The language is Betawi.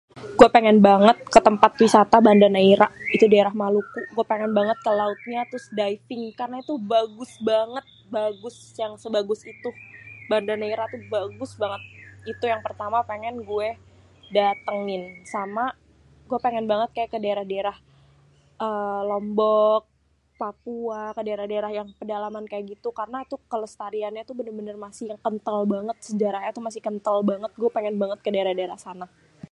Guè pengen banget ketempat wisata bandanaira itu didaerah maluku guè pengen banget kelautnya terus diving karena itu buaaagus banget, bagus yang sebagus itu, bandanaira itu bagus banget itu yang pertama pengen guè datengin sama guè pengen banget kedaerah-daerah èhhhh Lombok, Papua, kedaerah-daerah yang pedalaman kaya gitu karena tuh kelestariannya tuh bener-bener masih yang kèntèl banget, sejarahnyè masih kèntèl banget, gue pengen banget kedaerah-daerah sana.